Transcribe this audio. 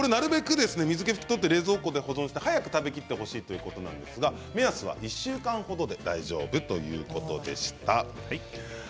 なるべく水けを取って冷蔵庫で保存して早く食べきってほしいということなんですが目安は１週間程大丈夫ということでした。